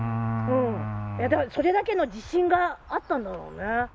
だからそれだけの自信があったんだろうね。